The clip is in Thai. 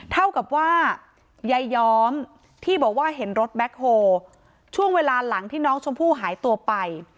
เท่ากับว่ายายย้อมที่บอกว่าเห็นรถแบ็คโฮช่วงเวลาหลังที่น้องชมพู่หายตัวไป